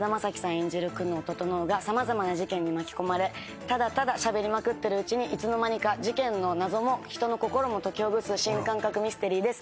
演じる久能整が様々な事件に巻き込まれただただしゃべりまくってるうちにいつの間にか事件の謎も人の心も解きほぐす新感覚ミステリーです。